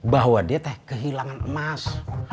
bahwa dia teh kehilangan emas